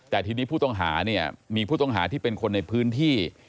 แต่ทีนี้ผู้ต้องหาเนี่ยมีผู้ต้องหาที่เป็นคนในพื้นที่